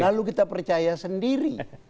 lalu kita percaya sendiri